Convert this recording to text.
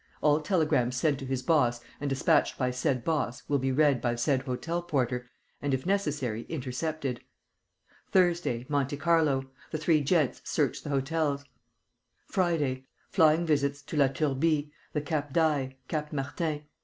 All telegrams sent to his boss and dispatched by said boss will be read by said hotel porter and, if necessary, intercepted. "Thursday. Monte Carlo. The three gents search the hotels. "Friday. Flying visits to La Turbie, the Cap d'Ail, Cap Martin. M.